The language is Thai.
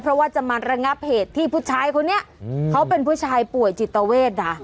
เพราะว่าจะมาระงับเหตุที่ผู้ชายคนนี้เขาเป็นผู้ชายป่วยจิตเวท